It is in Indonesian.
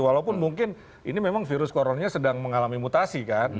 walaupun mungkin ini memang virus coronanya sedang mengalami mutasi kan